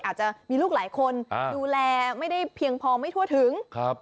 อาจจะมีลูกหลายคนดูแลไม่ได้เพียงพอไม่ทั่วถึงครับ